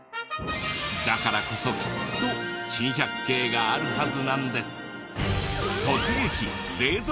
だからこそきっと珍百景があるはずなんです。